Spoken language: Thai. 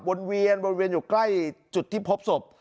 เวียนวนเวียนอยู่ใกล้จุดที่พบศพ